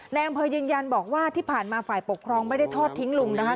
ในอำเภอยืนยันบอกว่าที่ผ่านมาฝ่ายปกครองไม่ได้ทอดทิ้งลุงนะคะ